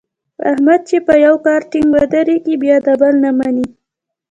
احمد چې په یوه کار ټینګ ودرېږي بیا د بل نه مني.